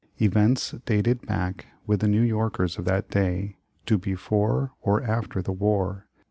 Events dated back with the New Yorkers of that day, to before, or after the war.